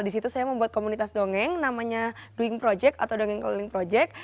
di situ saya membuat komunitas dongeng namanya doing project atau dongeng keliling project